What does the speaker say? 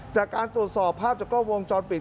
จากการตรวจสอบภาพจากกล้องวงจรปิด